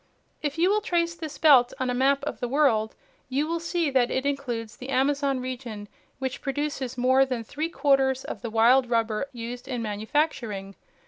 If you will trace this belt on a map of the world you will see that it includes the Amazon region which produces more than three quarters of the wild rubber used in manufacturing.